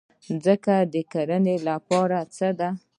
ځمکه د کرنې لپاره څنګه ده؟